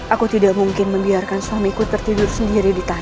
aku tidak mungkin membiarkan suamiku tertidur sendiri di tanah